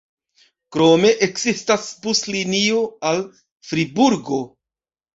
Krome ekzistas buslinio al Friburgo.